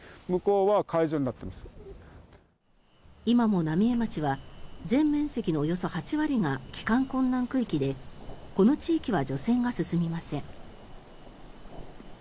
今も浪江町は全面積のおよそ８割が帰還困難区域でこの地域は除染が進みません。